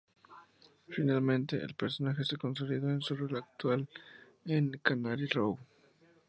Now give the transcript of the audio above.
Finalmente, el personaje se consolidó en su rol actual en "Canary Row".